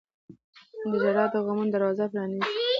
• ژړا د غمونو دروازه پرانیزي.